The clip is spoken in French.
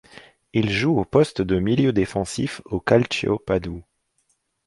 Il joue au poste de milieu défensif au Calcio Padoue.